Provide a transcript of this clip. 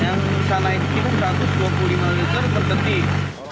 yang sana itu satu ratus dua puluh lima liter per detik